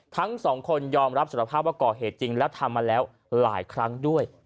ทั้งสองคนยอมรับสารภาพว่าก่อเหตุจริงแล้วทำมาแล้วหลายครั้งด้วย